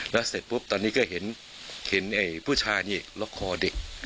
แล้วเสร็จปุ๊บตอนนี้ก็เห็นผู้ชายนี่ล็อกคอเด็ก